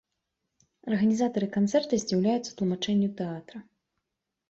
Арганізатары канцэрта здзіўляюцца тлумачэнню тэатра.